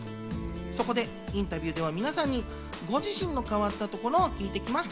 そこで、インタビューでは皆さんにご自身の変わったところを聞いてきました。